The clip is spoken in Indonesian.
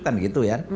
kan gitu ya